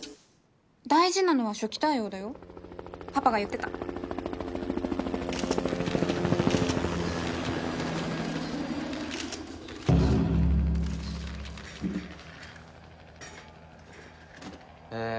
大事なのは初期対応だよパパが言ってたええー